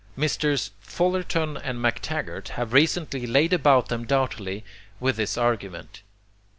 Messrs. Fullerton and McTaggart have recently laid about them doughtily with this argument.